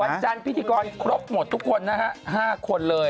วันจันทร์พิธีกรครบหมดทุกคนนะฮะ๕คนเลย